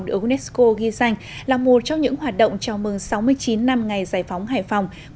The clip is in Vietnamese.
được unesco ghi danh là một trong những hoạt động chào mừng sáu mươi chín năm ngày giải phóng hải phòng